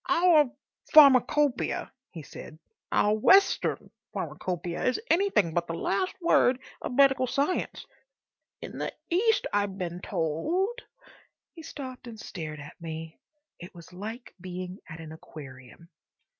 "Our Pharmacopoeia," he said, "our Western Pharmacopoeia, is anything but the last word of medical science. In the East, I've been told—" He stopped and stared at me. It was like being at an aquarium.